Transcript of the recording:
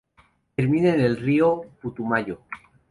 Termina en el río Putumayo.